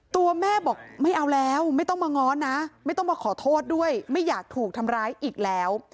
ตัวแม่บอกไม่เอาแล้วไม่ต้องมาง้อนะไม่ต้องมาขอโทษด้วยไม่อยากถูกทำร้ายอีกแล้ว